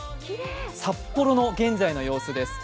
札幌の現在の様子です。